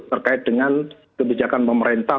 terkait dengan kebijakan pemerintah